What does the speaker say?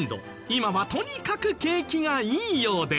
今はとにかく景気がいいようで。